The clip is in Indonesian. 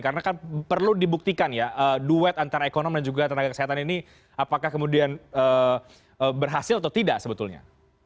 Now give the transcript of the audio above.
karena kan perlu dibuktikan ya duet antara ekonomi dan juga tenaga kesehatan ini apakah kemudian berhasil atau tidak sebetulnya